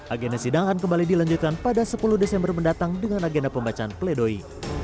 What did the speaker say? agenda sidang akan kembali dilanjutkan pada sepuluh desember mendatang dengan agenda pembacaan pledoi